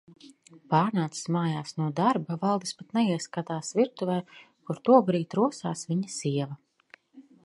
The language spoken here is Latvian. P?rn?cis m?j?s no darba, Valdis pat neieskat?s virtuv?, kur tobr?d ros?s vi?a sieva.